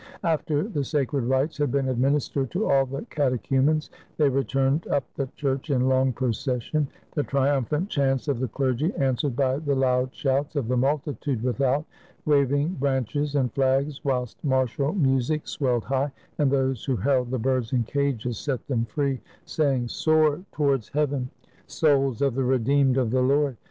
After the sacred rites had been administered to all the catechumens, they returned up the church in long pro cession, the triumphant chants of the clergy answered by the loud shouts of the multitude without, waving branches and flags, whilst martial music swelled high, and those who held the birds in cages set them free, saying, — ''Soar towards heaven! souls of the redeemed of the Lord!